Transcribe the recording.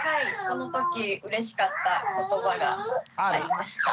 そのときうれしかった言葉がありました。